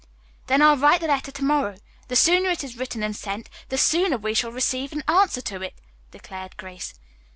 "Then I'll write the letter to morrow. The sooner it is written and sent, the sooner we shall receive an answer to it," declared Grace.